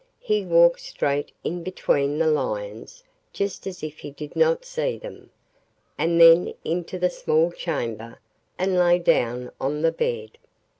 He walked straight in between the lions just as if he did not see them, and then into the small chamber, and lay down on the bed.